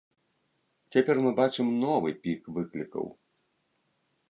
Цяпер мы бачым новы пік выклікаў.